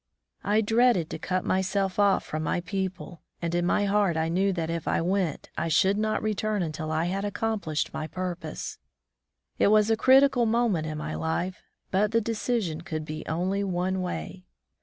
I dreaded to cut myself oflf from my people, and in my heart I knew that if I went, I should not return until I had accomplished my purpose. It was a critical moment in my life, but the decision could be only one way.